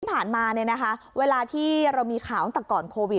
ผ่านมาเนี่ยนะคะเวลาที่เรามีข่าวตั้งแต่ก่อนโควิด